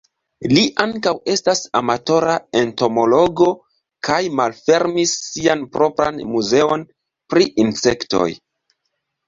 Li ankaŭ estas amatora entomologo kaj malfermis sian propran muzeon pri insektoj.